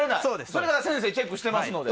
それは先生がチェックしていますので。